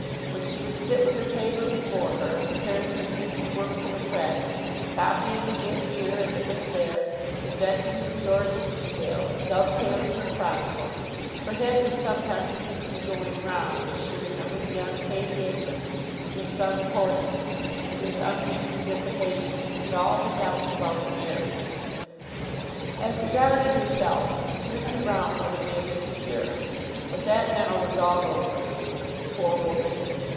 When she would sit with her paper before her, preparing her future work for the press, copying a bit here and a bit there, inventing historical details, dovetailing her chronicle, her head would sometimes seem to be going round as she remembered the unpaid baker, and her son's horses, and his unmeaning dissipation, and all her doubts about the marriage. As regarded herself, Mr. Broune would have made her secure, but that now was all over. Poor woman!